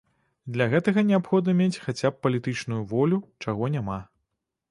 Для гэтага неабходна мець хаця б палітычную волю, чаго няма.